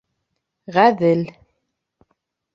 Ғәҙел.